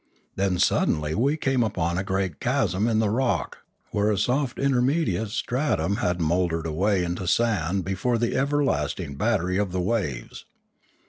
Then suddenly we came upon a great chasm in the rock where a soft intermediate stratum had mouldered away into sand before the everlasting battery of the waves.